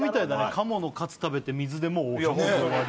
鴨のカツ食べて水でもういや